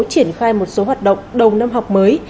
triển khai một số hoạt động đầu năm học mới